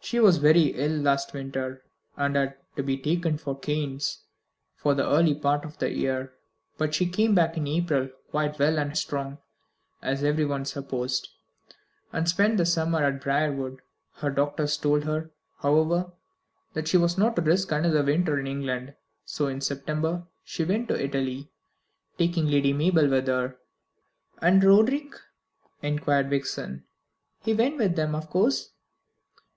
She was very ill last winter, and had to be taken to Cannes for the early part of the year; but she came back in April quite well and strong, as everyone supposed, and spent the summer at Briarwood. Her doctors told her, however, that she was not to risk another winter in England, so in September she went to Italy, taking Lady Mabel with her." "And Roderick?" inquired Vixen, "He went with them of course."